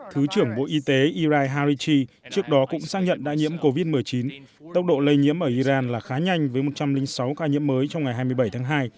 thứ trưởng bộ y tế irai harichi trước đó cũng xác nhận đã nhiễm covid một mươi chín tốc độ lây nhiễm ở iran là khá nhanh với một trăm linh sáu ca nhiễm mới trong ngày hai mươi bảy tháng hai